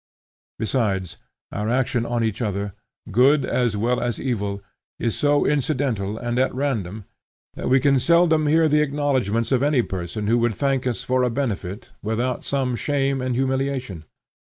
Besides, our action on each other, good as well as evil, is so incidental and at random that we can seldom hear the acknowledgments of any person who would thank us for a benefit, without some shame and humiliation.